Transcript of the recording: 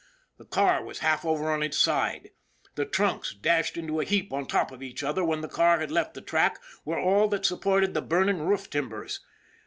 The car was half over on its side. The trunks, dashed into a heap on top of each other when the car had left the track, were all that supported the burning roof timbers.